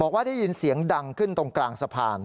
ว่าได้ยินเสียงดังขึ้นตรงกลางสะพาน